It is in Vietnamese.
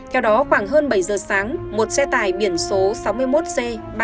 theo đó khoảng hơn bảy giờ sáng một xe tài biển số sáu mươi một c ba mươi bốn nghìn một trăm bảy mươi một